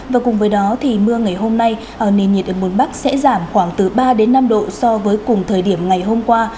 và cùng với đó thì mưa ngày hôm nay ở nền nhiệt ở một bắc sẽ giảm khoảng từ ba đến năm độ so với cùng thời điểm ngày hôm qua